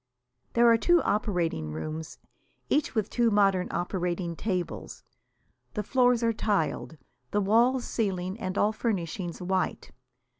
There are two operating rooms, each with two modern operating tables. The floors are tiled, the walls, ceiling and all furnishings white.